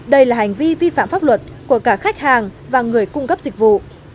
đây là hành vi vi phạm pháp luật của cả khách hàng và người cung cấp dịch vụ